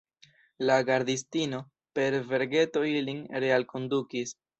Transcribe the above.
La gardistino, per vergeto ilin realkondukis.